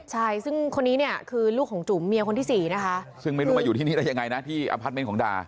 ใช่ซึ่งคนนี้เนี่ยคือลูกของจุ๋มเมียคนที่สี่นะคะซึ่งไม่รู้มาอยู่ที่นี่ได้ยังไงนะที่อพาร์ทเมนต์ของดา